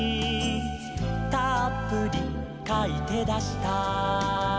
「たっぷりかいてだした」